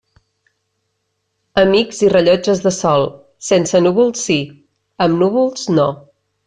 Amics i rellotges de sol, sense núvols sí, amb núvols no.